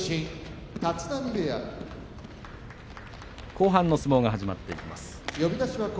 後半の相撲が始まっていきます。